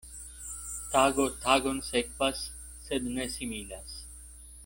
Tago tagon sekvas, sed ne similas.